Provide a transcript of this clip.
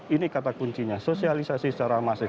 ini kata kuncinya sosialisasi secara masif